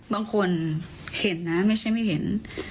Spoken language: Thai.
บางคนเห็นนะไม่ใช่ไม่เห็น